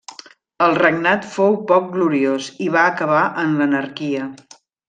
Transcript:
El regnat fou poc gloriós i va acabar en l'anarquia.